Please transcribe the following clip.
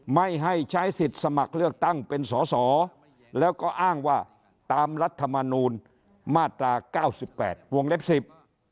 ไม่ให้ใช้สิทธิ์สมัครเลือกตั้งเป็นสอสอแล้วก็อ้างว่าตามรัฐมนูลมาตราเก้าสิบแปดวงเล็บสิบ